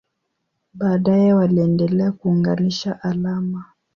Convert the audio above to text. Baadaye waliendelea kuunganisha alama.